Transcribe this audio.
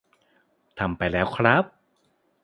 ทำไปแล้วครับ